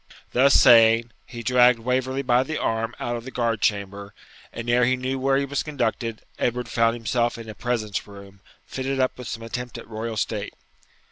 Thus saying, he dragged Waverley by the arm out of the guard chamber, and, ere he knew where he was conducted, Edward found himself in a presence room, fitted up with some attempt at royal state.